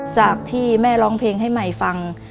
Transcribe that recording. จากที่แม่ร้องเพลงให้ใหม่ฟัง